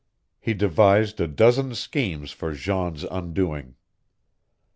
He devised a dozen schemes for Jean's undoing.